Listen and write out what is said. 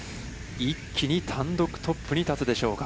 一気に単独トップに立つでしょうか。